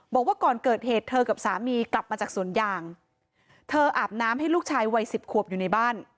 บอกว่าก่อนเกิดเหตุเธอกับสามีกลับมาจากสวนยางเธออาบน้ำให้ลูกชายวัยสิบขวบอยู่ในบ้าน